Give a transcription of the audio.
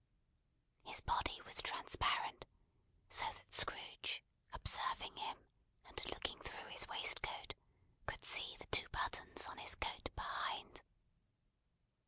His body was transparent; so that Scrooge, observing him, and looking through his waistcoat, could see the two buttons on his coat behind.